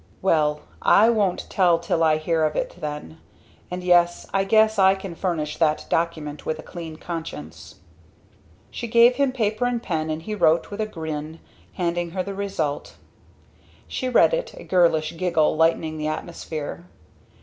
"Well I won't tell till I hear of it then. And yes, I guess I can furnish that document with a clean conscience." She gave him paper and pen and he wrote, with a grin, handing her the result. She read it, a girlish giggle lightening the atmosphere.